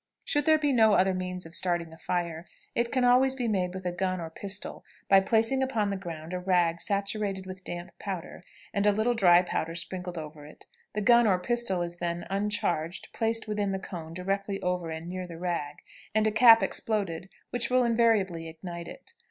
Should there be no other means of starting a fire, it can always be made with a gun or pistol, by placing upon the ground a rag saturated with damp powder, and a little dry powder sprinkled over it. The gun or pistol is then (uncharged) placed with the cone directly over and near the rag, and a cap exploded, which will invariably ignite it.